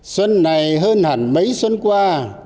xuân này hơn hẳn mấy xuân qua